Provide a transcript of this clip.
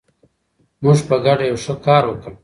موږ په ګډه یو ښه کار وکړ.